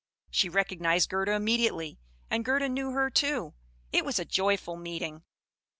She recognised Gerda immediately, and Gerda knew her too. It was a joyful meeting.